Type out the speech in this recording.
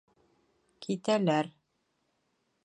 Китәләр.